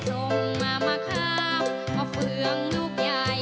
ลูกกินนรรพารำมากลางหัวปลี